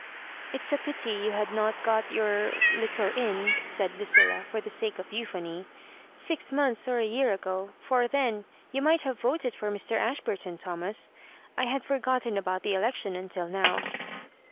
"It's a pity you had not got your— little inn," said Lucilla, for the sake of euphony, " six months or a year ago, for then you might have voted for Mr Ashburton, Thomas. I had forgotten about the election until now."